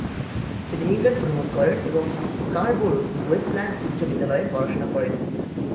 তিনি ইংল্যান্ড ভ্রমণ করেন এবং স্কারবোরোর ওয়েস্টল্যান্ড উচ্চ বিদ্যালয়ে পড়াশোনা করেন।